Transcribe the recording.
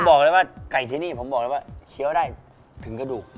บอกเลยว่าไก่ที่นี่ผมบอกเลยว่าเคี้ยวได้ถึงกระดูก